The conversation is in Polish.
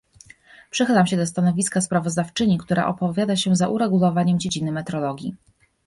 Przychylam się do stanowiska sprawozdawczyni, która opowiada się za uregulowaniem dziedziny metrologii